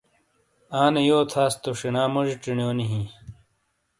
آنے یو تھاس تو شینا موجی چینیونی ہیں۔